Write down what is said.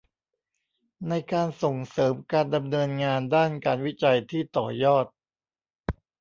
ในการส่งเสริมการดำเนินงานด้านการวิจัยที่ต่อยอด